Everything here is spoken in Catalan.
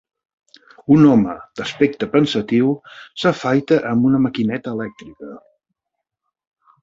Un home d'aspecte pensatiu s'afaita amb una maquineta elèctrica.